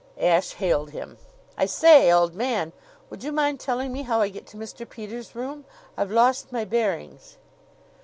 Ashe hailed him: "I say, old man, would you mind telling me how I get to Mr. Peters' room? I've lost my bearings."